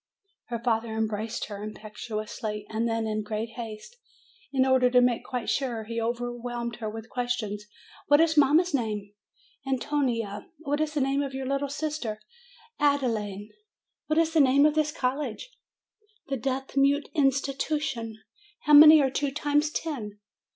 Her father embraced her impetuously, and then in great haste, in order to make quite sure, he over whelmed her with questions. "What is mamma's name?" "An to nia." "What is the name of your little sister?" "Ad e laide." "What is the name of this college?" "The Deaf mute Insti tution." "How many are two times ten?"